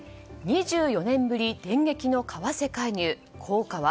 ２４年ぶり電撃の為替介入効果は？